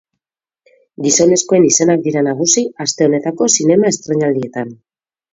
Gizonezkoen izenak dira nagusi aste honetako zinema estreinaldietan.